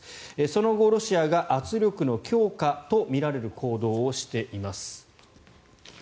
その後、ロシアが圧力の強化とみられる行動をしています。